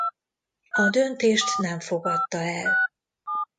A döntést nem fogadta el.